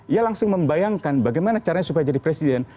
ia langsung membayangkan bagaimana caranya supaya jadi presiden